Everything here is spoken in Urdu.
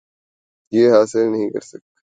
ی حاصل نہیں کر سک